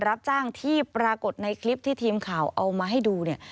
รับจ้างที่ปรากฏในคลิปที่ทีมข่าวเอามาให้ดูเนี่ย